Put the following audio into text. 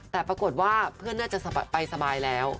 แต่ปรากฏว่าเพื่อนน่าจะไปสบายแล้ว